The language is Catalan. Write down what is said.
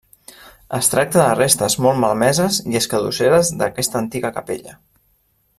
Es tracta de restes molt malmeses i escadusseres d’aquesta antiga capella.